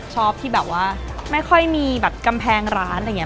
ชอบที่แบบว่าไม่ค่อยมีแบบกำแพงร้านอะไรอย่างนี้